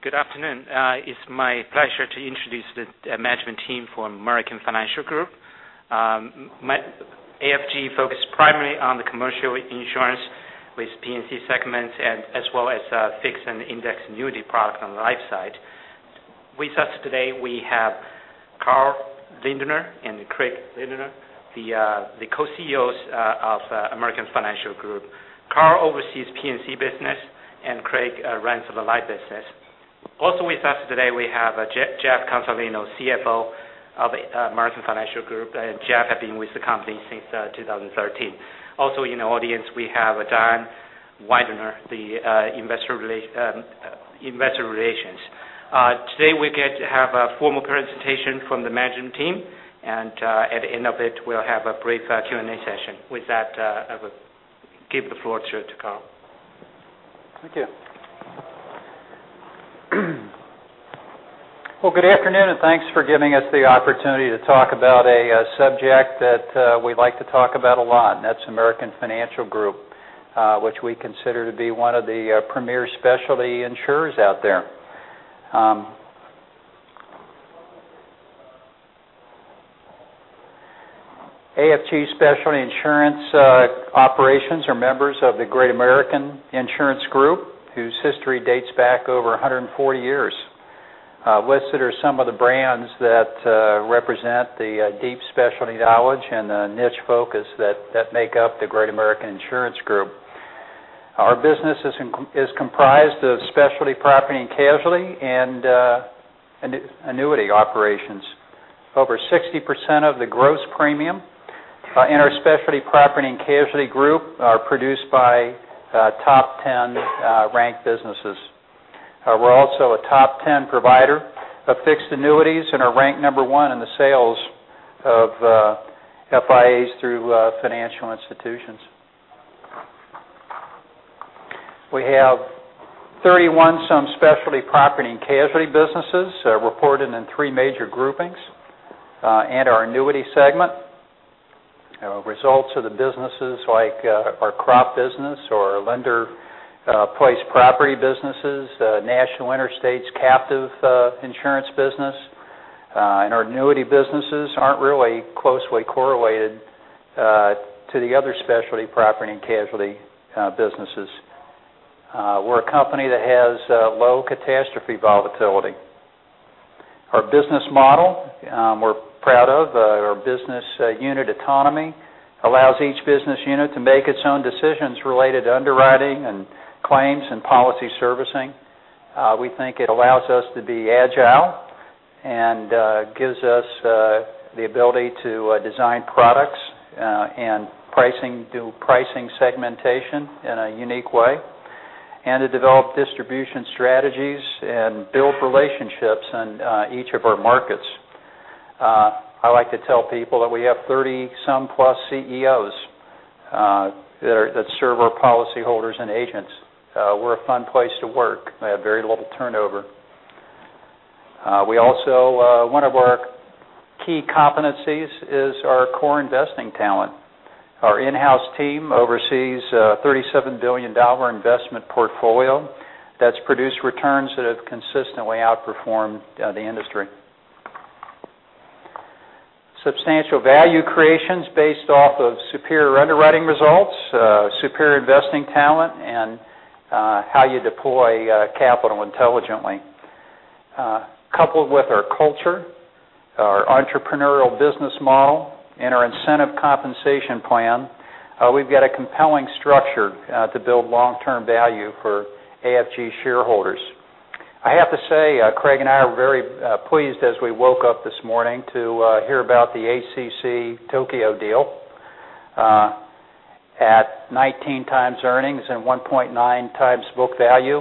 Good afternoon. It's my pleasure to introduce the management team for American Financial Group. AFG focus primarily on the commercial insurance with P&C segments, as well as fixed and indexed annuity product on the life side. With us today, we have Carl Lindner and Craig Lindner, the Co-CEOs of American Financial Group. Carl oversees P&C business, and Craig runs the life business. Also with us today, we have Jeff Consolino, CFO of American Financial Group. Jeff has been with the company since 2013. Also in the audience, we have Diane Weidner, the investor relations. Today, we get to have a formal presentation from the management team, and at the end of it, we'll have a brief Q&A session. With that, I will give the floor to Carl. Thank you. Well, good afternoon, and thanks for giving us the opportunity to talk about a subject that we like to talk about a lot, and that's American Financial Group, which we consider to be one of the premier specialty insurers out there. AFG Specialty Insurance operations are members of the Great American Insurance Group, whose history dates back over 140 years. Listed are some of the brands that represent the deep specialty knowledge and the niche focus that make up the Great American Insurance Group. Our business is comprised of specialty property and casualty and annuity operations. Over 60% of the gross premium in our specialty property and casualty group are produced by top 10 ranked businesses. We're also a top 10 provider of fixed annuities and are ranked number one in the sales of FIAs through financial institutions. We have 31-some specialty property and casualty businesses reported in three major groupings and our annuity segment. Results of the businesses like our Crop business or lender-placed property businesses, National Interstate's captive insurance business, and our annuity businesses aren't really closely correlated to the other specialty property and casualty businesses. We're a company that has low catastrophe volatility. Our business model we're proud of. Our business unit autonomy allows each business unit to make its own decisions related to underwriting and claims and policy servicing. We think it allows us to be agile and gives us the ability to design products and do pricing segmentation in a unique way and to develop distribution strategies and build relationships in each of our markets. I like to tell people that we have 30-some plus CEOs that serve our policyholders and agents. We're a fun place to work. We have very little turnover. One of our key competencies is our core investing talent. Our in-house team oversees a $37 billion investment portfolio that's produced returns that have consistently outperformed the industry. Substantial value creation is based off of superior underwriting results, superior investing talent, and how you deploy capital intelligently. Coupled with our culture, our entrepreneurial business model, and our incentive compensation plan, we've got a compelling structure to build long-term value for AFG shareholders. I have to say, Craig and I were very pleased as we woke up this morning to hear about the ACE Tokio deal at 19 times earnings and 1.9 times book value.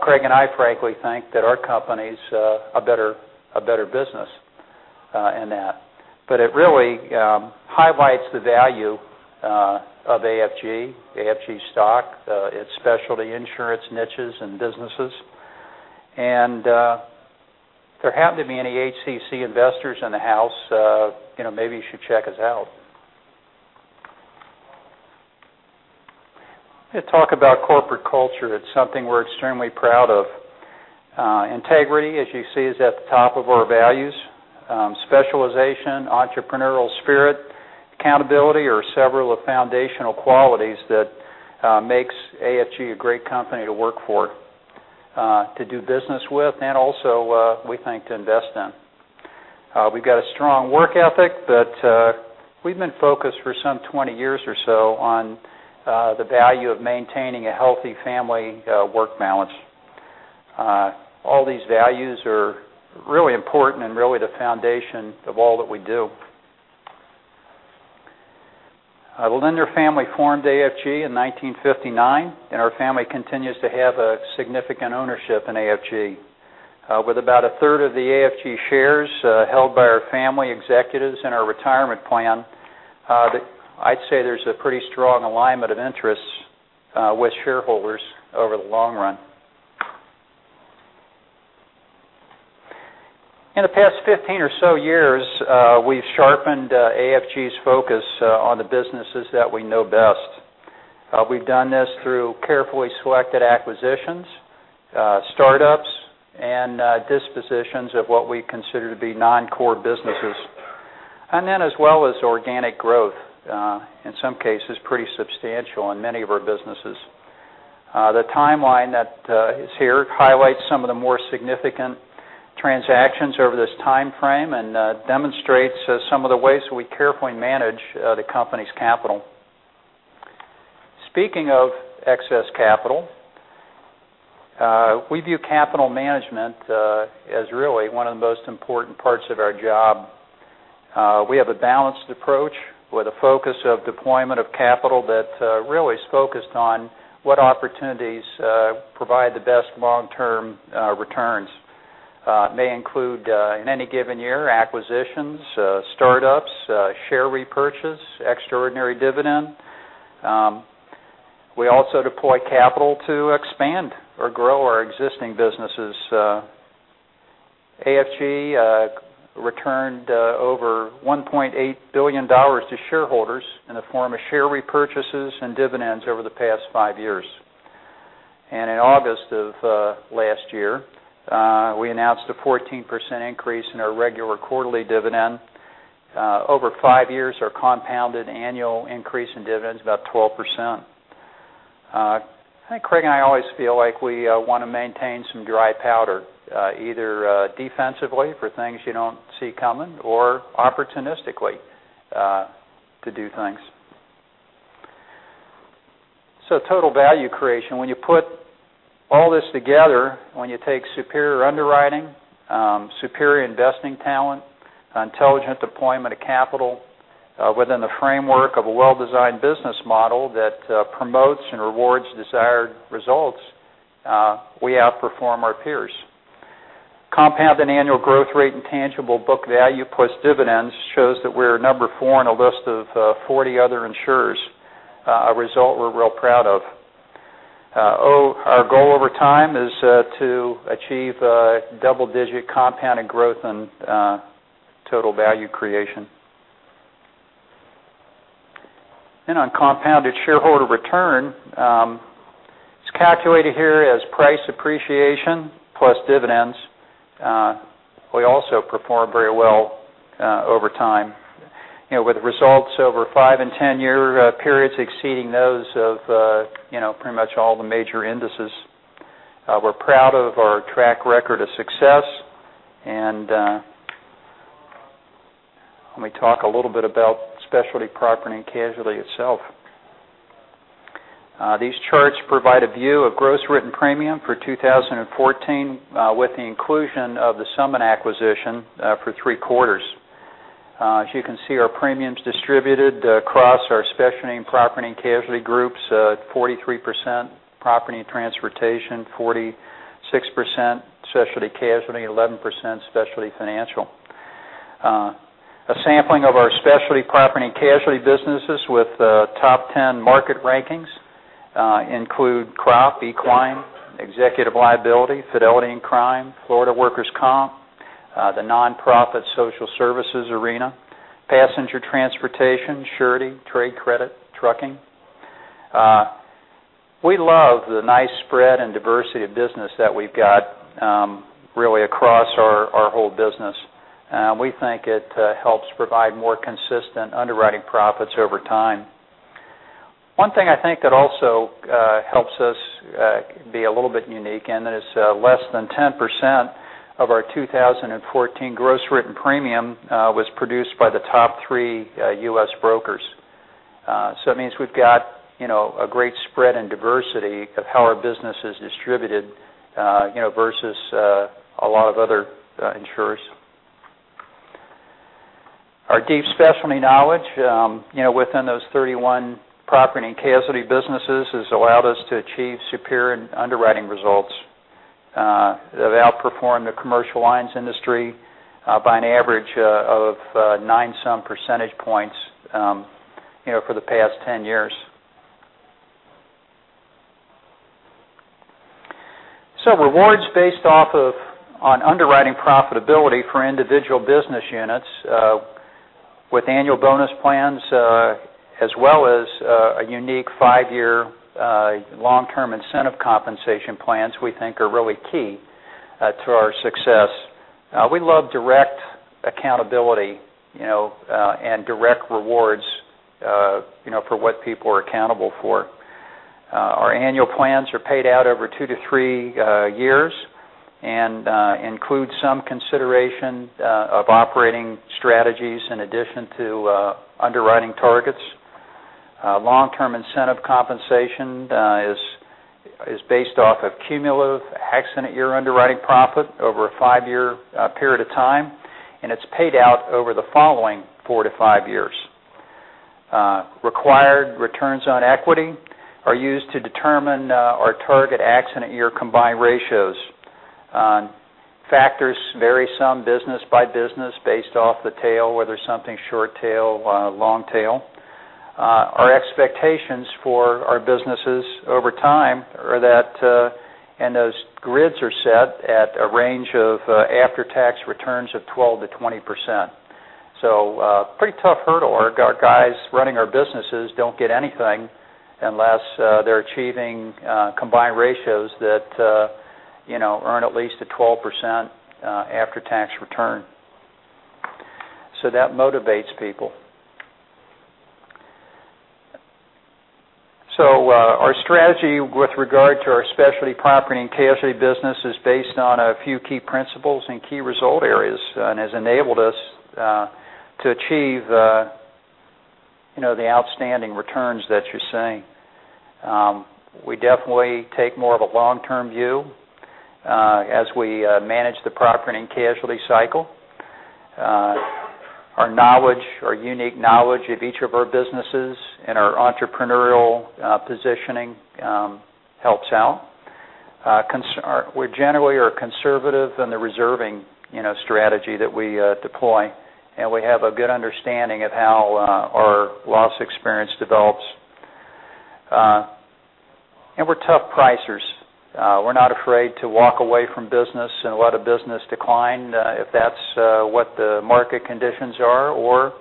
Craig and I frankly think that our company's a better business than that. It really highlights the value of AFG stock, its specialty insurance niches and businesses. If there happen to be any ACE investors in the house, maybe you should check us out. I'm going to talk about corporate culture. It's something we're extremely proud of. Integrity, as you see, is at the top of our values. Specialization, entrepreneurial spirit, accountability are several foundational qualities that make AFG a great company to work for, to do business with, and also, we think, to invest in. We've got a strong work ethic that we've been focused for some 20 years or so on the value of maintaining a healthy family work balance. All these values are really important and really the foundation of all that we do. The Lindner family formed AFG in 1959, and our family continues to have a significant ownership in AFG. With about a third of the AFG shares held by our family executives in our retirement plan, I'd say there's a pretty strong alignment of interests with shareholders over the long run. In the past 15 or so years, we've sharpened AFG's focus on the businesses that we know best. We've done this through carefully selected acquisitions, startups, and dispositions of what we consider to be non-core businesses. Then as well as organic growth, in some cases, pretty substantial in many of our businesses. The timeline that is here highlights some of the more significant transactions over this timeframe and demonstrates some of the ways we carefully manage the company's capital. Speaking of excess capital, we view capital management as really one of the most important parts of our job. We have a balanced approach with a focus of deployment of capital that really is focused on what opportunities provide the best long-term returns. May include, in any given year, acquisitions, startups, share repurchase, extraordinary dividend. We also deploy capital to expand or grow our existing businesses. AFG returned over $1.8 billion to shareholders in the form of share repurchases and dividends over the past five years. In August of last year, we announced a 14% increase in our regular quarterly dividend. Over five years, our compounded annual increase in dividends is about 12%. I think Craig and I always feel like we want to maintain some dry powder, either defensively for things you don't see coming or opportunistically to do things. Total value creation. When you put all this together, when you take superior underwriting, superior investing talent, intelligent deployment of capital within the framework of a well-designed business model that promotes and rewards desired results, we outperform our peers. Compounded annual growth rate and tangible book value plus dividends shows that we're number 4 in a list of 40 other insurers, a result we're real proud of. Our goal over time is to achieve double-digit compounded growth and total value creation. On compounded shareholder return, it's calculated here as price appreciation plus dividends. We also perform very well over time. With results over five and 10-year periods exceeding those of pretty much all the major indices. We're proud of our track record of success, and let me talk a little bit about specialty property and casualty itself. These charts provide a view of gross written premium for 2014 with the inclusion of the Summit acquisition for three quarters. As you can see, our premium's distributed across our specialty and property and casualty groups, 43% property and transportation, 46% specialty casualty, 11% specialty financial. A sampling of our specialty property and casualty businesses with top 10 market rankings include Crop, Equine, Executive Liability, Fidelity and Crime, Florida workers' comp, the Nonprofit Social Services arena, Passenger Transportation, Surety, Trade Credit, Trucking. We love the nice spread and diversity of business that we've got really across our whole business. We think it helps provide more consistent underwriting profits over time. One thing I think that also helps us be a little bit unique. It is less than 10% of our 2014 gross written premium was produced by the top three U.S. brokers. That means we've got a great spread and diversity of how our business is distributed versus a lot of other insurers. Our deep specialty knowledge within those 31 property and casualty businesses has allowed us to achieve superior underwriting results that have outperformed the commercial lines industry by an average of nine-some percentage points for the past 10 years. Rewards based off of on underwriting profitability for individual business units with annual bonus plans, as well as a unique five-year long-term incentive compensation plans, we think are really key to our success. We love direct accountability and direct rewards for what people are accountable for. Our annual plans are paid out over two to three years and include some consideration of operating strategies in addition to underwriting targets. Long-term incentive compensation is based off of cumulative accident year underwriting profit over a five-year period of time. It's paid out over the following four to five years. Required returns on equity are used to determine our target accident year combined ratios. Factors vary some business by business based off the tail, whether something's short tail, long tail. Our expectations for our businesses over time are that. Those grids are set at a range of after-tax returns of 12%-20%. A pretty tough hurdle. Our guys running our businesses don't get anything unless they're achieving combined ratios that earn at least a 12% after-tax return. That motivates people. Our strategy with regard to our specialty property and casualty business is based on a few key principles and key result areas and has enabled us to achieve the outstanding returns that you're seeing. We definitely take more of a long-term view as we manage the property and casualty cycle. Our unique knowledge of each of our businesses and our entrepreneurial positioning helps out. We generally are conservative in the reserving strategy that we deploy. We have a good understanding of how our loss experience develops. We're tough pricers. We're not afraid to walk away from business and let a business decline if that's what the market conditions are, or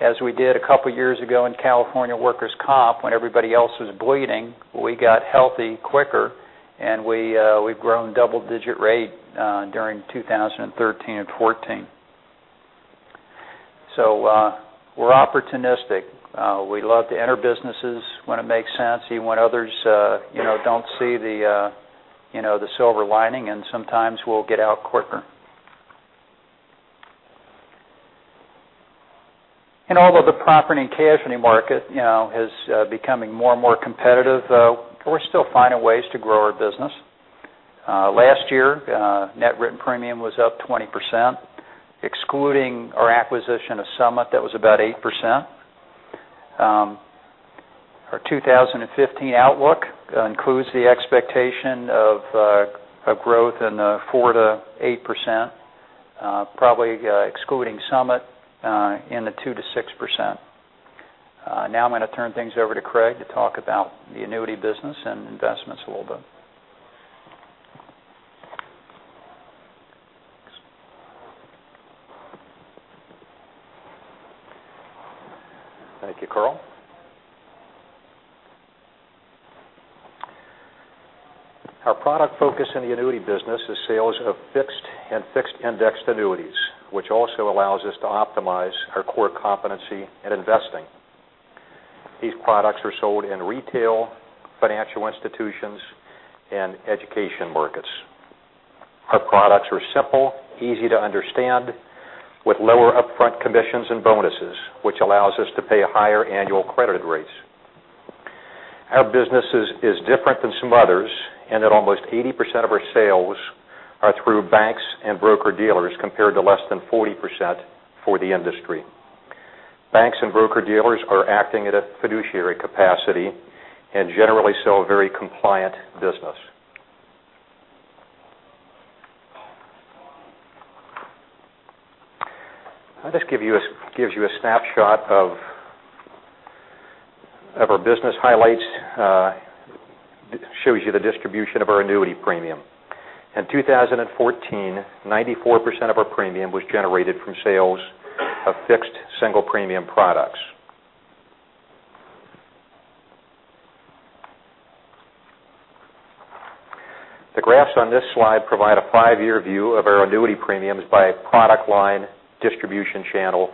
as we did a couple of years ago in California workers' comp, when everybody else was bleeding, we got healthy quicker, and we've grown double-digit rate during 2013 and 2014. We're opportunistic. We love to enter businesses when it makes sense, even when others don't see the silver lining, and sometimes we'll get out quicker. Although the property and casualty market is becoming more and more competitive, we're still finding ways to grow our business. Last year, net written premium was up 20%, excluding our acquisition of Summit, that was about 8%. Our 2015 outlook includes the expectation of growth in the 4%-8%, probably excluding Summit in the 2%-6%. Now I'm going to turn things over to Craig to talk about the annuity business and investments a little bit. Thank you, Carl. Our product focus in the annuity business is sales of fixed and fixed-indexed annuities, which also allows us to optimize our core competency in investing. These products are sold in retail, financial institutions, and education markets. Our products are simple, easy to understand, with lower upfront commissions and bonuses, which allows us to pay higher annual credited rates. Our business is different than some others in that almost 80% of our sales are through banks and broker-dealers, compared to less than 40% for the industry. Banks and broker-dealers are acting at a fiduciary capacity and generally sell very compliant business. This gives you a snapshot of our business highlights. It shows you the distribution of our annuity premium. In 2014, 94% of our premium was generated from sales of fixed single premium products. The graphs on this slide provide a five-year view of our annuity premiums by product line, distribution channel,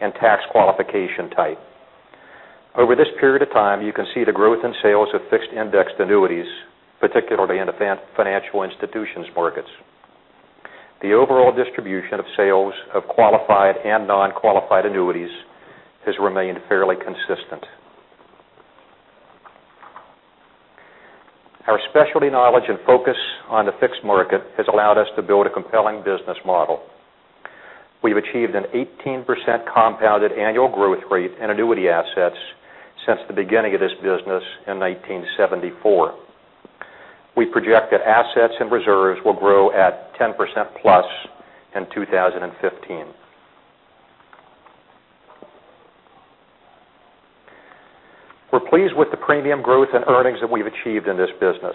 and tax qualification type. Over this period of time, you can see the growth in sales of fixed-indexed annuities, particularly in the financial institutions markets. The overall distribution of sales of qualified and non-qualified annuities has remained fairly consistent. Our specialty knowledge and focus on the fixed market has allowed us to build a compelling business model. We've achieved an 18% compounded annual growth rate in annuity assets since the beginning of this business in 1974. We project that assets and reserves will grow at 10%+ in 2015. We're pleased with the premium growth and earnings that we've achieved in this business.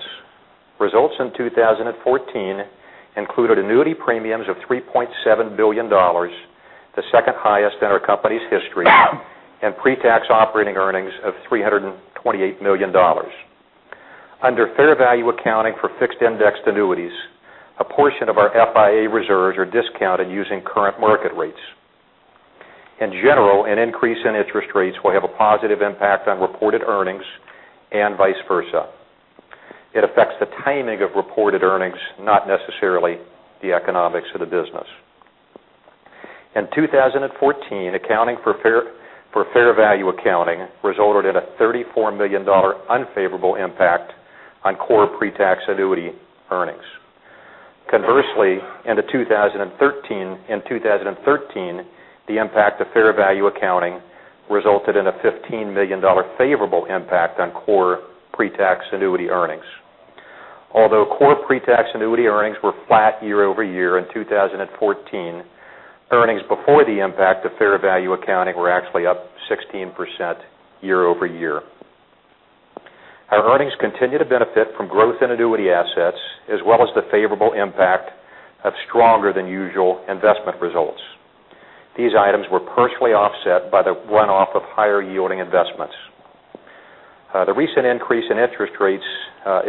Results in 2014 included annuity premiums of $3.7 billion, the second highest in our company's history, and pre-tax operating earnings of $328 million. Under fair value accounting for fixed-indexed annuities, a portion of our FIA reserves are discounted using current market rates. In general, an increase in interest rates will have a positive impact on reported earnings and vice versa. It affects the timing of reported earnings, not necessarily the economics of the business. In 2014, accounting for fair value accounting resulted in a $34 million unfavorable impact on core pre-tax annuity earnings. Conversely, in 2013, the impact of fair value accounting resulted in a $15 million favorable impact on core pre-tax annuity earnings. Although core pre-tax annuity earnings were flat year-over-year in 2014, earnings before the impact of fair value accounting were actually up 16% year-over-year. Our earnings continue to benefit from growth in annuity assets as well as the favorable impact of stronger than usual investment results. These items were partially offset by the run-off of higher yielding investments. The recent increase in interest rates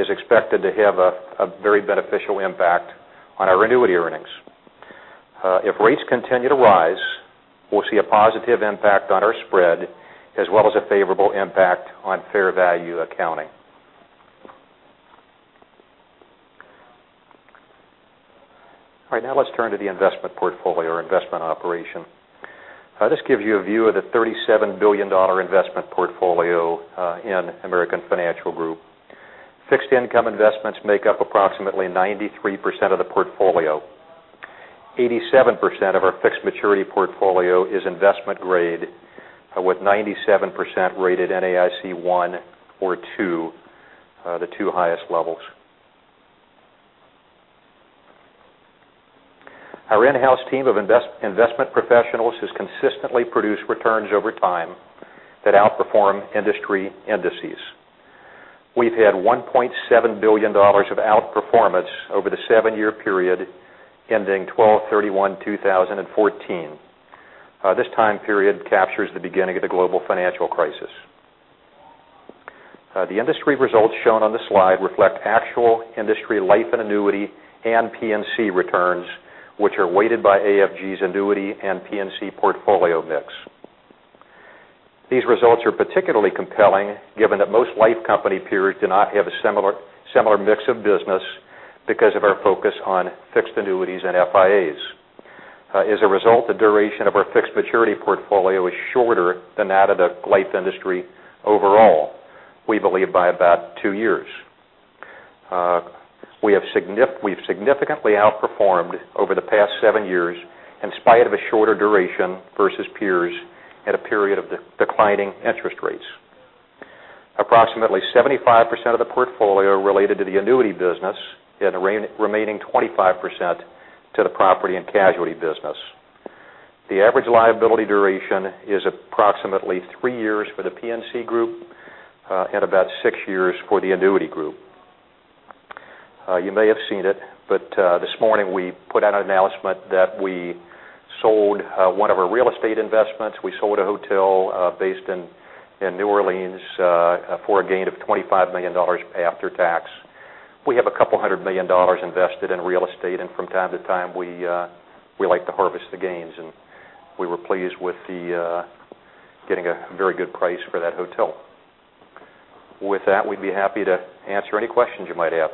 is expected to have a very beneficial impact on our annuity earnings. If rates continue to rise, we'll see a positive impact on our spread as well as a favorable impact on fair value accounting. Now let's turn to the investment portfolio or investment operation. This gives you a view of the $37 billion investment portfolio in American Financial Group. Fixed income investments make up approximately 93% of the portfolio. 87% of our fixed maturity portfolio is investment grade, with 97% rated NAIC 1 or 2, the two highest levels. Our in-house team of investment professionals has consistently produced returns over time that outperform industry indices. We've had $1.7 billion of outperformance over the seven-year period ending 12/31/2014. This time period captures the beginning of the global financial crisis. The industry results shown on this slide reflect actual industry life and annuity and P&C returns, which are weighted by AFG's annuity and P&C portfolio mix. These results are particularly compelling given that most life company peers do not have a similar mix of business because of our focus on fixed annuities and FIAs. As a result, the duration of our fixed maturity portfolio is shorter than that of the life industry overall, we believe by about two years. We've significantly outperformed over the past seven years in spite of a shorter duration versus peers at a period of declining interest rates. Approximately 75% of the portfolio related to the annuity business and the remaining 25% to the property and casualty business. The average liability duration is approximately three years for the P&C group and about six years for the annuity group. You may have seen it, this morning we put out an announcement that we sold one of our real estate investments. We sold a hotel based in New Orleans for a gain of $25 million after tax. We have a couple hundred million dollars invested in real estate, and from time to time we like to harvest the gains, and we were pleased with getting a very good price for that hotel. With that, we'd be happy to answer any questions you might have.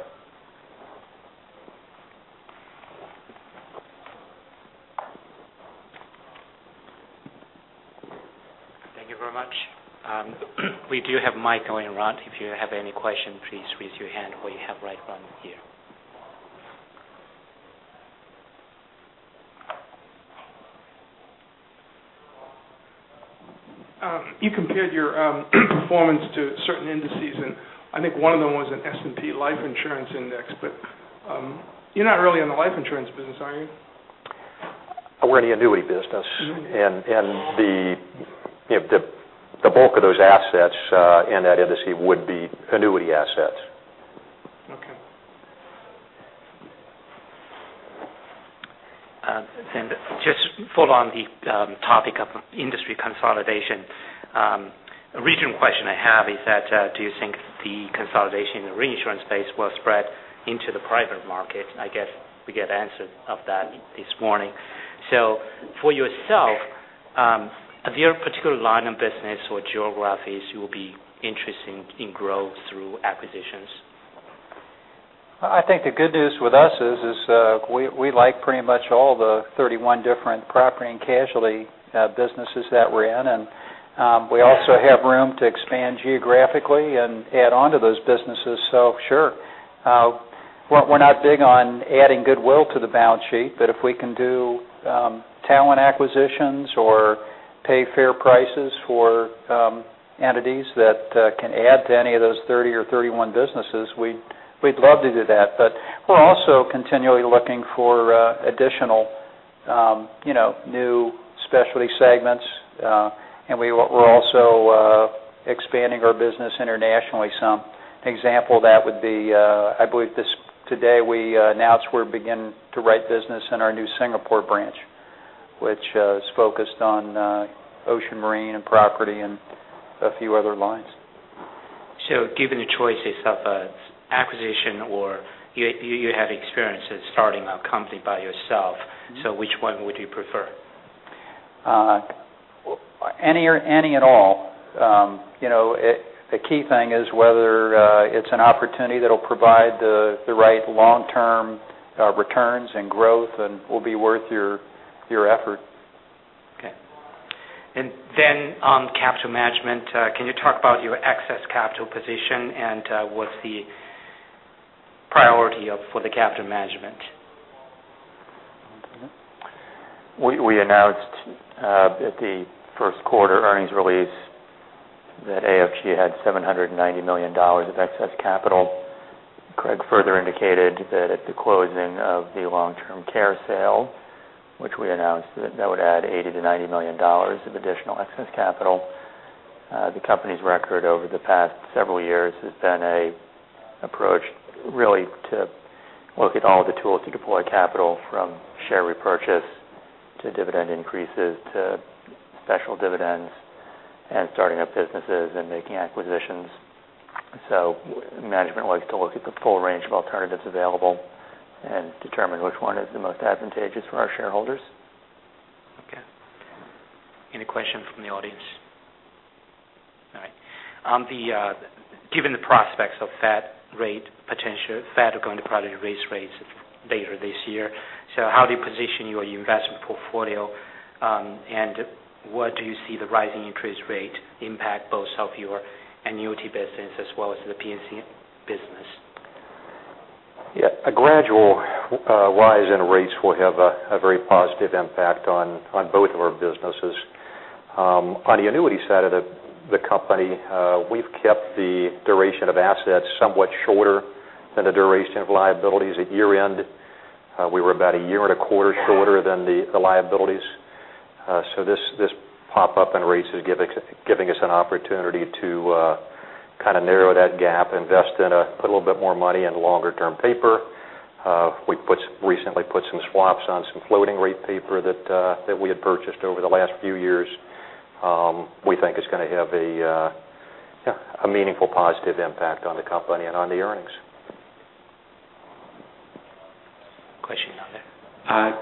Thank you very much. We do have mic going around. If you have any question, please raise your hand or you have right one here. You compared your performance to certain indices, and I think one of them was an S&P life insurance index. You're not really in the life insurance business, are you? We're in the annuity business. Annuity. The bulk of those assets in that industry would be annuity assets. Okay. Just to follow on the topic of industry consolidation, a recent question I have is that, do you think the consolidation in the reinsurance space will spread into the private market? I guess we get answer of that this morning. For yourself, are there particular line of business or geographies you will be interested in growth through acquisitions? I think the good news with us is we like pretty much all the 31 different property and casualty businesses that we're in, and we also have room to expand geographically and add onto those businesses, sure. We're not big on adding goodwill to the balance sheet, if we can do talent acquisitions or pay fair prices for entities that can add to any of those 30 or 31 businesses, we'd love to do that. We're also continually looking for additional new specialty segments, and we're also expanding our business internationally some. An example of that would be, I believe today we announced we're beginning to write business in our new Singapore branch, which is focused on ocean marine and property and a few other lines. Given the choices of acquisition or you have experience at starting a company by yourself, which one would you prefer? Any at all. The key thing is whether it's an opportunity that'll provide the right long-term returns and growth and will be worth your effort. Okay. On capital management, can you talk about your excess capital position and what's the priority for the capital management? We announced at the first quarter earnings release that AFG had $790 million of excess capital. Craig further indicated that at the closing of the long-term care sale, which we announced, that would add $80 million to $90 million of additional excess capital. The company's record over the past several years has been a approach really to look at all the tools to deploy capital, from share repurchase to dividend increases, to special dividends, and starting up businesses and making acquisitions. Management likes to look at the full range of alternatives available and determine which one is the most advantageous for our shareholders. Okay. Any questions from the audience? All right. Given the prospects of Fed rate potential, Fed are going to probably raise rates later this year. How do you position your investment portfolio? Where do you see the rising interest rate impact both of your annuity business as well as the P&C business? Yeah. A gradual rise in rates will have a very positive impact on both of our businesses. On the annuity side of the company, we've kept the duration of assets somewhat shorter than the duration of liabilities. At year-end, we were about a year and a quarter shorter than the liabilities. This pop-up in rates is giving us an opportunity to kind of narrow that gap, invest in a little bit more money in longer term paper. We've recently put some swaps on some floating rate paper that we had purchased over the last few years. We think it's going to have a meaningful positive impact on the company and on the earnings. Question down there.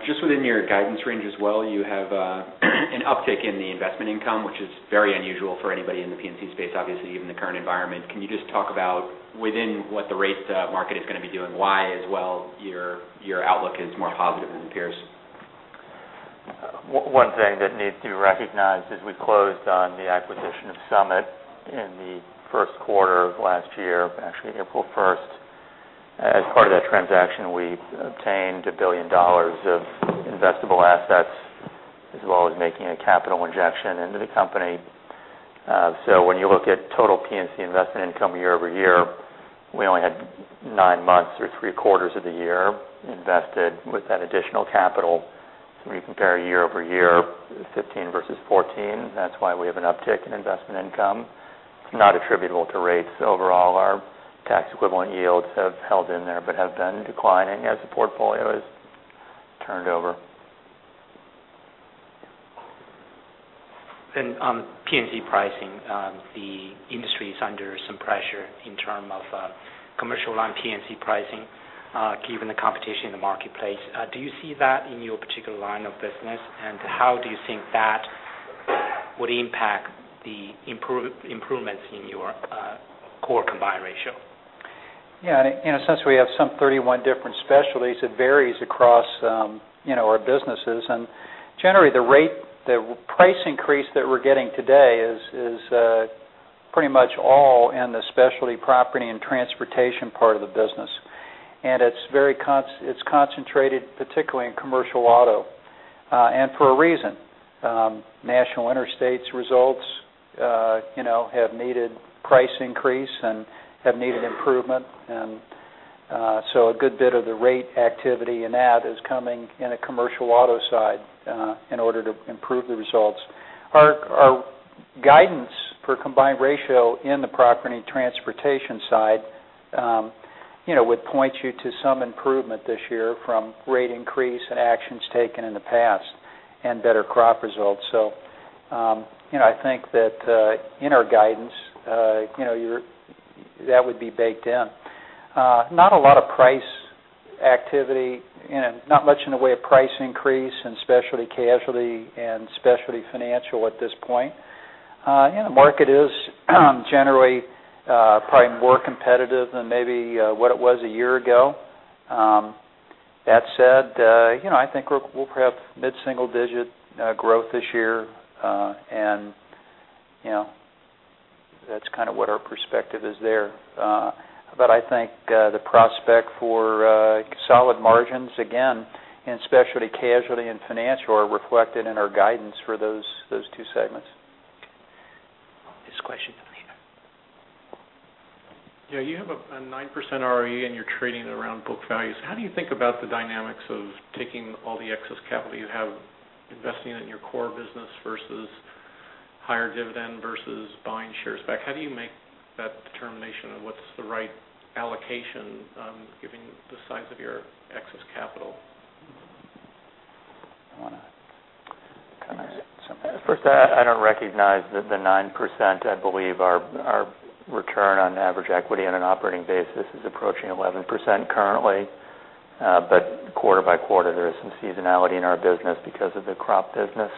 Just within your guidance range as well, you have an uptick in the investment income, which is very unusual for anybody in the P&C space, obviously, even the current environment. Can you just talk about within what the rate market is going to be doing, why as well your outlook is more positive than peers? One thing that needs to be recognized is we closed on the acquisition of Summit in the first quarter of last year, actually April 1st. As part of that transaction, we obtained $1 billion of investable assets, as well as making a capital injection into the company. When you look at total P&C investment income year-over-year, we only had nine months or three quarters of the year invested with that additional capital. When you compare year-over-year 2015 versus 2014, that's why we have an uptick in investment income. It's not attributable to rates. Overall, our tax equivalent yields have held in there but have been declining as the portfolio has turned over. On P&C pricing, the industry is under some pressure in terms of commercial on P&C pricing, given the competition in the marketplace. Do you see that in your particular line of business, and how do you think that would impact the improvements in your core combined ratio? Yeah, in a sense, we have some 31 different specialties. It varies across our businesses. Generally, the price increase that we're getting today is pretty much all in the specialty property and transportation part of the business. It's concentrated particularly in commercial auto, and for a reason. National Interstate results have needed price increase and have needed improvement. A good bit of the rate activity in that is coming in the commercial auto side in order to improve the results. Our guidance for combined ratio in the property and transportation side would point you to some improvement this year from rate increase and actions taken in the past and better Crop results. I think that in our guidance, that would be baked in. Not a lot of price activity and not much in the way of price increase in specialty casualty and specialty financial at this point. The market is generally probably more competitive than maybe what it was a year ago. That said, I think we'll have mid-single digit growth this year. That's kind of what our perspective is there. I think the prospect for solid margins, again, in specialty casualty and financial are reflected in our guidance for those two segments. Next question. Over here. Yeah, you have a 9% ROE and you're trading around book values. How do you think about the dynamics of taking all the excess capital you have, investing it in your core business versus higher dividend versus buying shares back? How do you make that determination on what's the right allocation given the size of your excess capital? You want to comment? First, I don't recognize the 9%. I believe our return on average equity on an operating basis is approaching 11% currently. Quarter by quarter, there is some seasonality in our business because of the Crop business.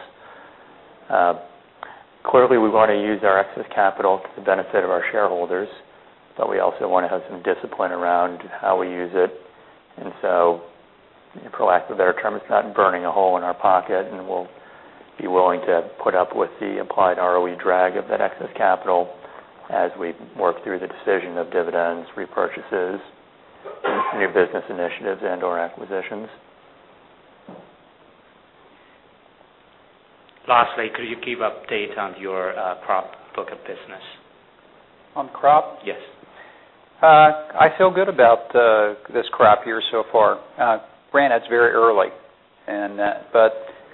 We want to use our excess capital to the benefit of our shareholders, we also want to have some discipline around how we use it. To lack of a better term, it's not burning a hole in our pocket, and we'll be willing to put up with the implied ROE drag of that excess capital as we work through the decision of dividends, repurchases, new business initiatives, and/or acquisitions. Lastly, could you give update on your Crop book of business? On Crop? Yes. I feel good about this Crop year so far. Granted, it's very early,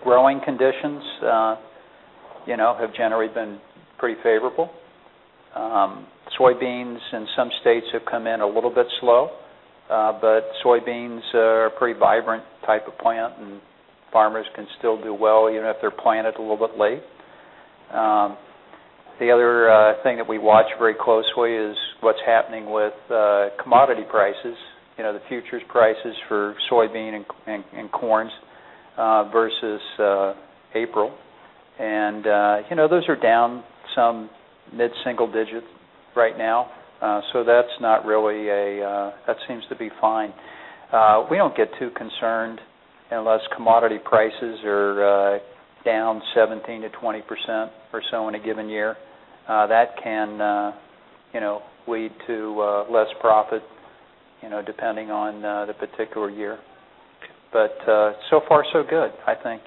growing conditions have generally been pretty favorable. Soybeans in some states have come in a little bit slow. Soybeans are a pretty vibrant type of plant, and farmers can still do well even if they're planted a little bit late. The other thing that we watch very closely is what's happening with commodity prices. The futures prices for soybean and corns versus April. Those are down some mid-single digit right now. That seems to be fine. We don't get too concerned unless commodity prices are down 17%-20% or so in a given year. That can lead to less profit depending on the particular year. So far so good. I think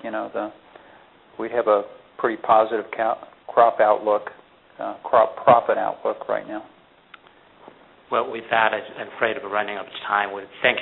we have a pretty positive Crop profit outlook right now. Well, with that, I'm afraid we're running out of time.